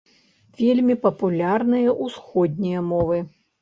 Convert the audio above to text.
Вельмі папулярныя ўсходнія мовы.